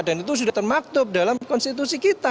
dan itu sudah termaktub dalam konstitusi kita gitu loh